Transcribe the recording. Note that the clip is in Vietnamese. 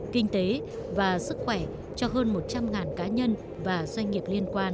kinh tế và sức khỏe cho hơn một trăm linh ngàn cá nhân và doanh nghiệp